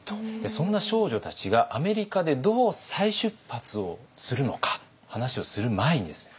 そんな少女たちがアメリカでどう再出発をするのか話をする前にですね